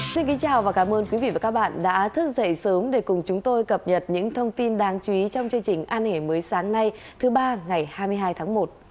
xin kính chào và cảm ơn quý vị và các bạn đã thức dậy sớm để cùng chúng tôi cập nhật những thông tin đáng chú ý trong chương trình an hệ mới sáng nay thứ ba ngày hai mươi hai tháng một